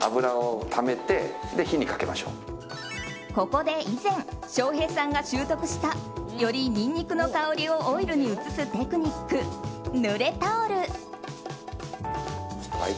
ここで以前翔平さんが修得したよりニンニクの香りをオイルに移すテクニック濡れタオル。